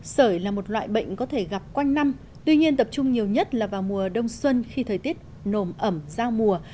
sởi là một loại bệnh có thể gặp quanh năm tuy nhiên tập trung nhiều nhất là vào mùa đông xuân khi thời tiết nồm ẩm giao mùa